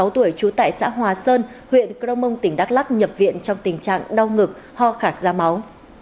năm mươi sáu tuổi trú tại xã hòa sơn huyện crong mong tỉnh đắk lắc nhập viện trong tình trạng đau ngực ho khạc da máu